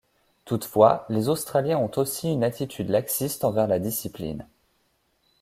Toutefois, les Australiens ont aussi une attitude laxiste envers la discipline.